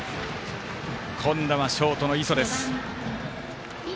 今度はショートの磯です。